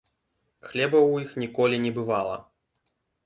Хлеба ў іх ніколі не бывала.